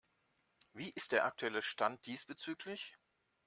Wie ist der aktuelle Stand diesbezüglich?